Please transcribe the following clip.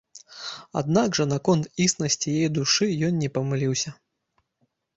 Аднак жа наконт існасці яе душы ён не памыліўся.